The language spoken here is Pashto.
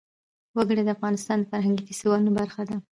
وګړي د افغانستان د فرهنګي فستیوالونو برخه ده.